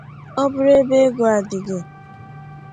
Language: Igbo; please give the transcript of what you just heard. Ọ bụrụ ebe ego adịghị